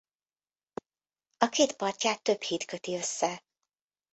A két partját több híd köti össze.